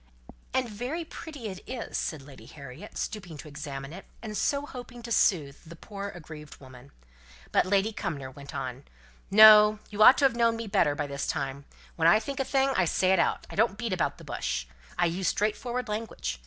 "And very pretty it is," said Lady Harriet, stooping to examine it, and so hoping to soothe the poor aggrieved woman. But Lady Cumnor went on, "No! you ought to have known me better by this time. When I think a thing I say it out. I don't beat about the bush. I use straightforward language.